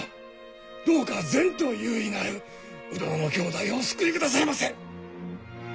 どうか前途有為なる鵜殿の兄弟をお救いくださいませ！